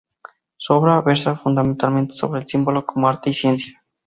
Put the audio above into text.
Su obra versa fundamentalmente sobre el símbolo como arte y ciencia.